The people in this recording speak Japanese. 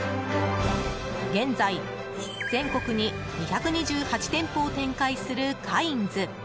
現在、全国に２２８店舗を展開するカインズ。